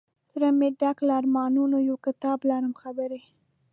زړه مي ډک له ارمانونو یو کتاب لرم خبري